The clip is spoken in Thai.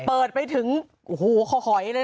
เปิดไปถึงหอยเลย